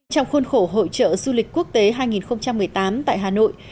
trong khuôn khổ hội trợ du lịch quốc tế hai nghìn một mươi tám tại hà nội